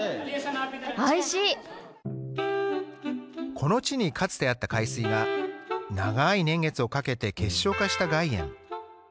この地にかつてあった海水が、長い年月をかけて結晶化した岩塩。